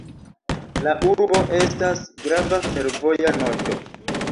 La urbo estas grava fervoja nodo.